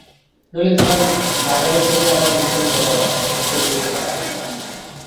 নইলে তোমার বাগানের সঙ্গে আমার ভীষণ ঝগড়া বাধত, ওকে সইতে পারতুম না।